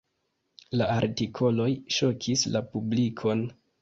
La artikoloj ŝokis la publikon.